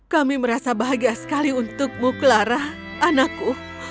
kami merasa bahagia sekali untukmu clara anakku